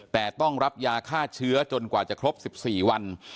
แต่ต้องรับยาฆ่าเชื้อจนกว่าจะครบ๑๔วัน